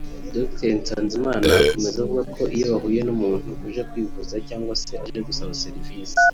Dr Nsanzimana akomeza avuga ko iyo bahuye n’umuntu uje kwivuza cyangwa aje gusaba serivise